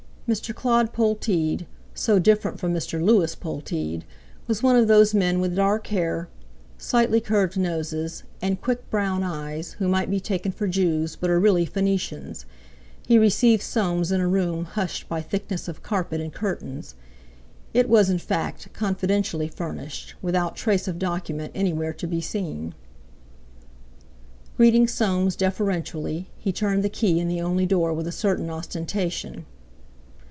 Mr. Claud Polteed—so different from Mr. Lewis Polteed—was one of those men with dark hair, slightly curved noses, and quick brown eyes, who might be taken for Jews but are really Phœnicians; he received Soames in a room hushed by thickness of carpet and curtains. It was, in fact, confidentially furnished, without trace of document anywhere to be seen. Greeting Soames deferentially, he turned the key in the only door with a certain ostentation.